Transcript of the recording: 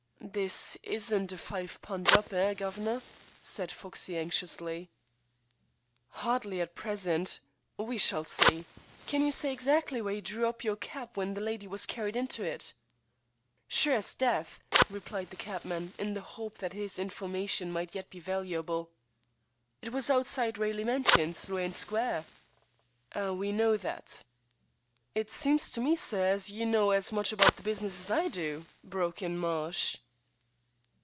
"This isn't a five pun' job, eh, guv'nor?" said Foxey anxiously. "Hardly at present. We shall see. Can you say exactly where you drew up your cab when the lady was carried into it?" "Sure as death," replied the cabman, in the hope that his information might yet be valuable. "It was outside Raleigh Mansions, Sloane Square." "We know that " "It seems to me, sir, as ye know as much about the business as I do," broke in Marsh.